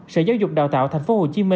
sở giáo dục đào tạo tp hcm